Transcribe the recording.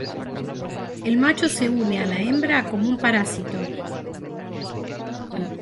El macho se une a la hembra como un parásito.